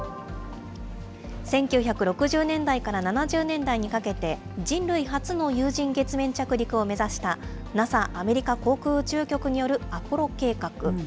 １９６０年代から７０年代にかけて、人類初の有人月面着陸を目指したＮＡＳＡ・アメリカ航空宇宙局によるアポロ計画。